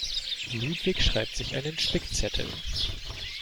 Ludwig schreibt sich einen Spickzettel.